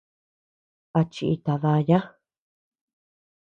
A chíita daya.